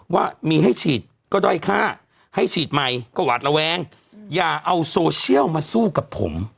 ว่ามีให้ฉีดก็ด้อยค่าให้ฉีดใหม่ก็หวาดระแวงอย่าเอาโซเชียลมาสู้กับผม